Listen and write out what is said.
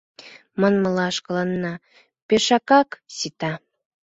Манмыла, шкаланна пешакак сита.